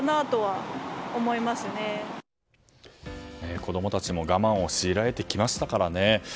子供たちも我慢を強いられてきましたからね。